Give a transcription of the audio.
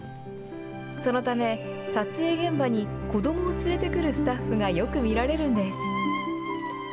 そのため撮影現場に子どもを連れてくるスタッフがよく見られるんです。